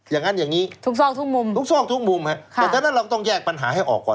อย่างนั้นอย่างนี้ทุกซอกทุกมุมทุกซอกทุกมุมฮะแต่ฉะนั้นเราต้องแยกปัญหาให้ออกก่อน